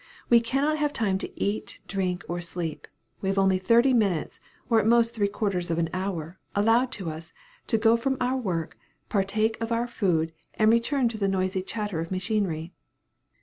We cannot have time to eat, drink, or sleep; we have only thirty minutes, or at most three quarters of an hour, allowed us, to go from our work, partake of our food, and return to the noisy chatter of machinery.